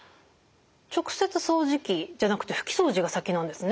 直接掃除機じゃなくて拭き掃除が先なんですね。